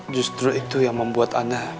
justru itu yang membuat anda